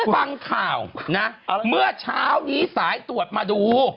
ฟังข่าวนะเมื่อเช้านี้สายตรวจมาดู